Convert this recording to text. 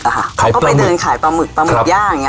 เขาก็ไปเดินขายปลาหมึกปลาหมึกย่าง